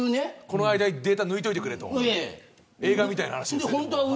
その間にデータ、抜いといてくれと映画みたいな話ですね。